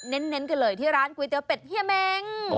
เน้นกันเลยที่ร้านก๋วยเตี๋เป็ดเฮียเม้ง